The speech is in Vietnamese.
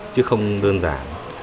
chứ không đơn giản